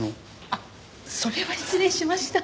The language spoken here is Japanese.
あっそれは失礼しました。